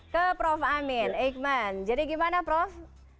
ke prof amin eikman jadi gimana prof